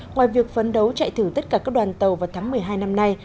ngoài việc phấn đấu chạy thử tất cả các đoàn tàu vào tháng một mươi hai năm nay